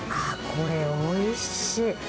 これ、おいしい。